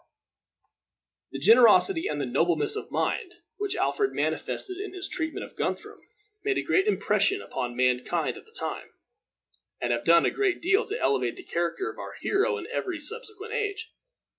The generosity and the nobleness of mind which Alfred manifested in his treatment of Guthrum made a great impression upon mankind at the time, and have done a great deal to elevate the character of our hero in every subsequent age.